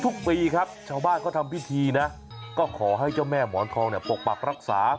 ทุกปีครับชาวบ้านเขาทำพิธีนะก็ขอให้เจ้าแม่หมอนทองเนี่ยปกปักรักษา